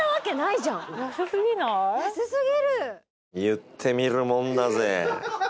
言ってみるもんだぜ。